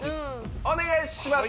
お願いします。